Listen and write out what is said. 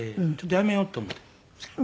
辞めようと思って。